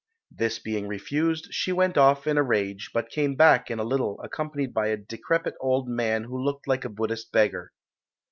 This being refused, she went off in a rage, but came back in a little accompanied by a decrepit old man who looked like a Buddhist beggar.